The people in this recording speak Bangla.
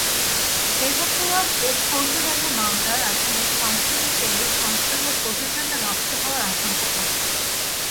দেবপ্রিয় দেবফৌজদারি মামলার আসামি সংসদে গেলে সংসদের পবিত্রতা নষ্ট হওয়ার আশঙ্কা থাকে।